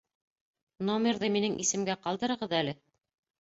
Номерҙы минең исемгә ҡалдырығыҙ әле.